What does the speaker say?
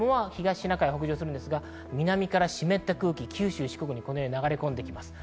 本体の雨雲は東シナ海へ北上するんですが南から湿った空気が九州・四国に流れ込んできます。